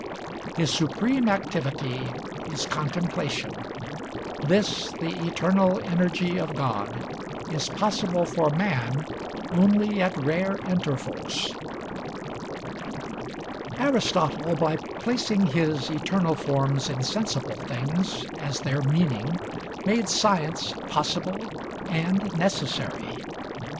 His supreme activity is contemplation. This, the eternal energy of God, is possible for man only at rare intervals. Aristotle, by placing his eternal forms in sensible things as their meaning, made science possible and necessary.